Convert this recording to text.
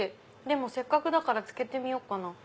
でもせっかくだからつけてみようかな。